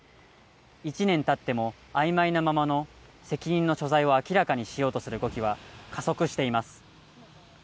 １年たっても曖昧なままの責任の所在を明らかにしようとする動きは加速しています。